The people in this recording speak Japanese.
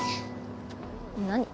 何？